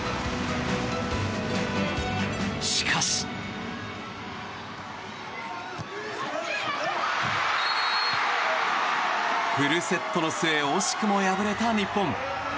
しかし、フルセットの末惜しくも敗れた日本。